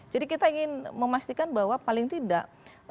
jadi kita ingin memastikan bahwa paling tidak